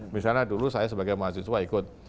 misalnya dulu saya sebagai mahasiswa ikut